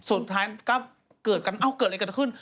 สุดท้ายก็เกิดกันเอ้าเกิดอะไรกันขึ้น